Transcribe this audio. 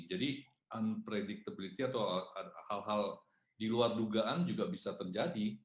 jadi unpredictability atau hal hal di luar dugaan juga bisa terjadi